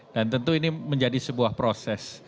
dan tentu ini menjadi sebuah proses